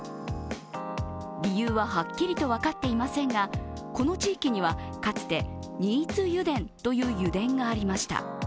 理由ははっきりと分かっていませんがこの地域には、かつて新津油田という油田がありました。